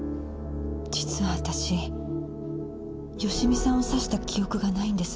実は私芳美さんを刺した記憶がないんです。